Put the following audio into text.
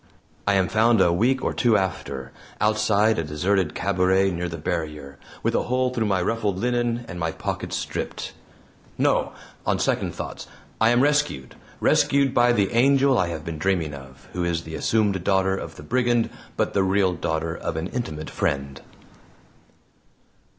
I am found a week or two after outside a deserted cabaret near the barrier, with a hole through my ruffled linen and my pockets stripped. No; on second thoughts, I am rescued rescued by the angel I have been dreaming of, who is the assumed daughter of the brigand but the real daughter of an intimate friend.